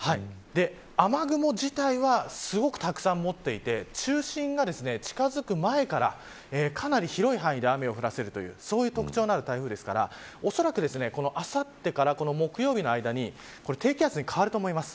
雨雲自体はすごくたくさん持っていて中心が近づく前からかなり広い範囲で雨を降らせるというそういう特徴のある台風ですから恐らくあさってから木曜日の間に低気圧に変わると思います。